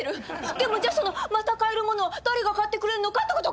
でもじゃあそのまた買えるものを誰が買ってくれるのかっていうことを聞いてるの！